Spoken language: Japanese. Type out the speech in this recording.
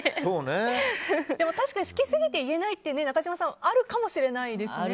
確かに好きすぎて言えないというのは中島さんあるかもしれないですね。